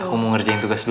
aku mau ngerjain tugas dulu